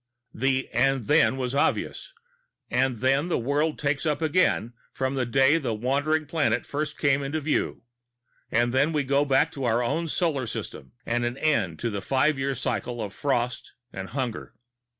The "and then" was obvious: And then the world takes up again from the day the wandering planet first came into view. And then we go back to our own solar system and an end to the five year cycle of frost and hunger.